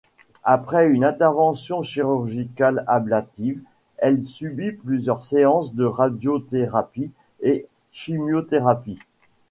Après une intervention chirurgicale ablative, elle subit plusieurs séances de radiothérapie et chimiothérapie.